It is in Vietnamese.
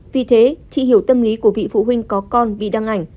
vì thế chị hiểu tâm lý của vị phụ huynh có con bị đăng ảnh